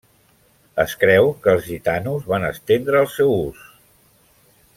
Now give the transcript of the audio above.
Es creu que els gitanos van estendre el seu ús.